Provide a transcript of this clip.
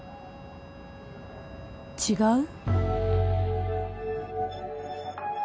違う？